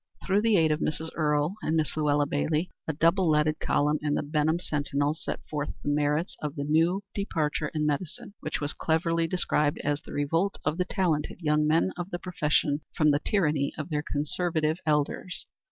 Through the aid of Mrs. Earle and Miss Luella Bailey a double leaded column in the Benham Sentinel set forth the merits of the new departure in medicine, which was cleverly described as the revolt of the talented young men of the profession from the tyranny of their conservative elders.